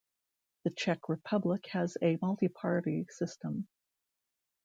The Czech Republic has a multi-party system.